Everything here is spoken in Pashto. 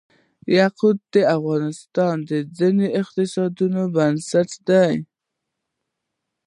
یاقوت د افغانستان د ځایي اقتصادونو بنسټ دی.